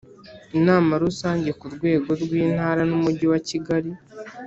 Inama Rusange ku rwego rw Intara n Umujyi wa kigali